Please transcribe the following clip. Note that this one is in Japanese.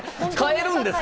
買えるんですか？